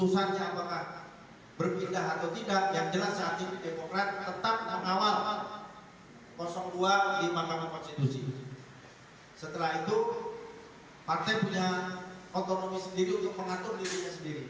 setelah itu partai punya otonomi sendiri untuk mengatur dirinya sendiri